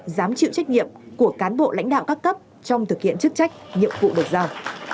dám chịu trách nhiệm của cán bộ lãnh đạo các cấp trong thực hiện chức trách nhiệm vụ được giao